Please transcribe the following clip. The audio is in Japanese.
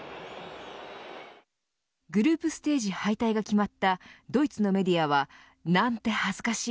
グループステージ敗退が決まったドイツのメディアはなんて恥ずかしい。